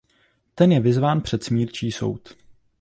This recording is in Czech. Ten je vyzván před smírčí soud.